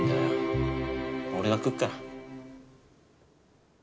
俺が食うから。